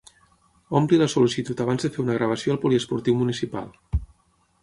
Omple la sol·licitud abans de fer una gravació al poliesportiu municipal